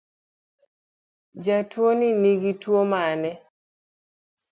Jatuoni nigi Tuo mane?